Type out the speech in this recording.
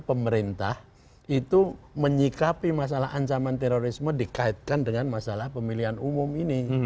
pemerintah itu menyikapi masalah ancaman terorisme dikaitkan dengan masalah pemilihan umum ini